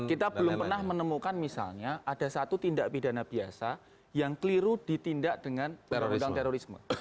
kita belum pernah menemukan misalnya ada satu tindak pidana biasa yang keliru ditindak dengan terorisme